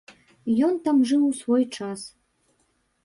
Ён там жыў у свой час.